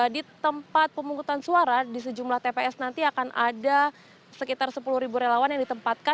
di tempat pemungutan suara di sejumlah tps nanti akan ada sekitar sepuluh relawan yang ditempatkan